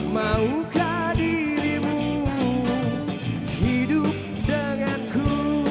maukah dirimu hidup denganku